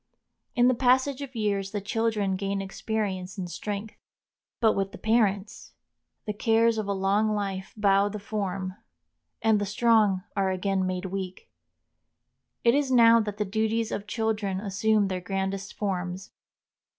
In the passage of years the children gain experience and strength. But with the parents! The cares of a long life bow the form, and the strong are again made weak. It is now that the duties of children assume their grandest forms.